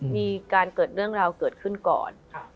มีการเกิดเรื่องราวเกิดขึ้นก่อน